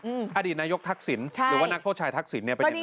อืมอดีตนายกทักศิลป์ใช่